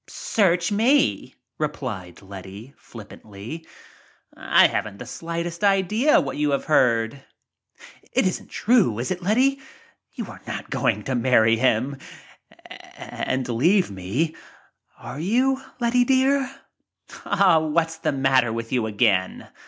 "Search me," replied Letty, flippantly. "I haven't the slightest idea what you have heard." "It isn't true, is it, Letty? You are not going f o marry him — and leave me are you, Letty, dear?" "Aw, what's the matter with you again?"